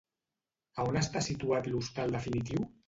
A on està situat l'hostal definitiu?